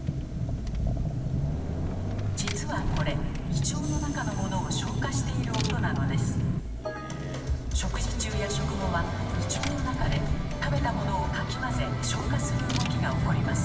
実はこれ食事中や食後は胃腸の中で食べたものをかき混ぜ消化する動きが起こります。